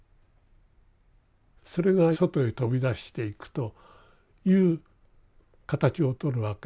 それが外へ飛び出していくという形をとるわけです。